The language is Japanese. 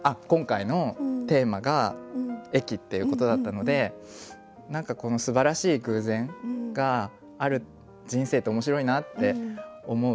今回のテーマが「駅」っていうことだったので何かこのすばらしい偶然がある人生って面白いなって思う。